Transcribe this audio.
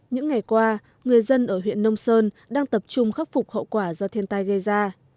những ngày qua người dân ở huyện nông sơn đang tập trung khắc phục hậu quả do thiên tai gây ra